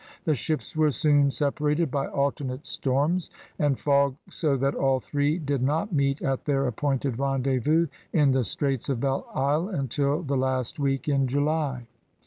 The ships were soon separated by alter nate storms and fog so that all three did not meet at their appointed rendezvous in the Straits of Belle Isle until the last week in July.